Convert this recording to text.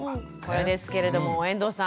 これですけれども遠藤さん。